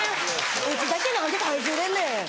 うちだけ何で体重でんねん！